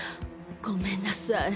ごめんなさい。